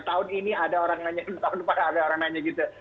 tahun ini ada orang nanya tahun depan ada orang nanya gitu